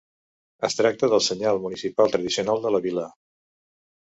Es tracta del senyal municipal tradicional de la vila.